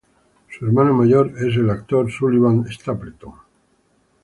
Su hermano mayor es el actor Sullivan Stapleton.